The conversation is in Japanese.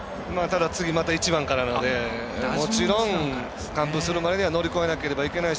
次また１番からなのでもちろん完封するまでには乗り越えなければいけない。